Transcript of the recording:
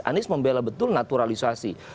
anies membela betul naturalisasi